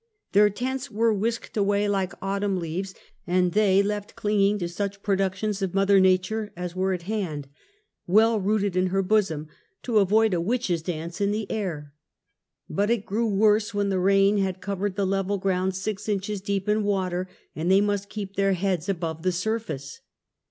Their tents were whisked away like autumn leaves, and they left Indian Massacre of '62. 229 clinging to such productions of mother nature as were at hand, well rooted in her bosom, to avoid a witches' dance in the air. But it grew worse when the rain had covered the level ground six inches deep in water, and they must keep their heads above the surface.